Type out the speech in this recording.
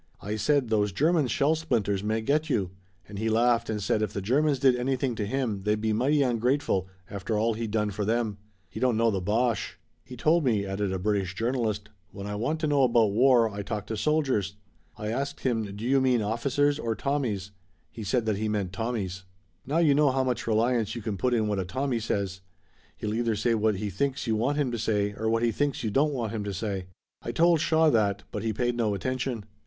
I said, 'Those German shell splinters may get you,' and he laughed and said if the Germans did anything to him they'd be mighty ungrateful, after all he'd done for them. He don't know the Boche." "He told me," added a British journalist, "'when I want to know about war I talk to soldiers.' I asked him: 'Do you mean officers or Tommies?' He said that he meant Tommies. "Now you know how much reliance you can put in what a Tommy says. He'll either say what he thinks you want him to say or what he thinks you don't want him to say. I told Shaw that, but he paid no attention."